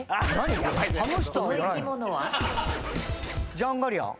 ジャンガリアン。